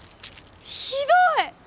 ひどい！